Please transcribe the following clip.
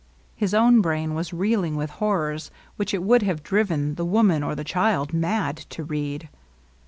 His own brain was reeling with horrors which it would have driven the woman LOVELINESS. 25 or the child mad to read.